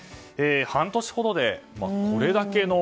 半年ほどでこれだけの。